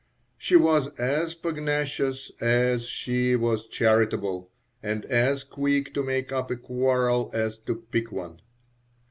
She was as pugnacious as she was charitable, and as quick to make up a quarrel as to pick one.